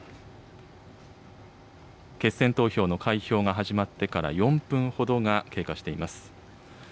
決選投票の開票が始まってから、４分ほどが経過しています。